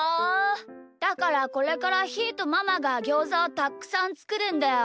だからこれからひーとママがギョーザをたっくさんつくるんだよ。